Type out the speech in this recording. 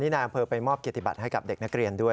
พี่นางเภอไปมอบกิจบัตรให้กับเด็กนักเรียนด้วย